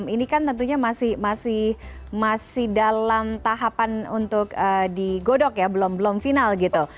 ini kan tentunya masih dalam tahapan untuk digodok ya belum belum final gitu